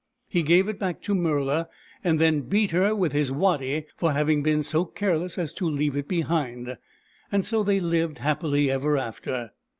He gave it back to Murla, and then beat her with his waddy for having been so careless as to leave it behind. So they lived happily ever after.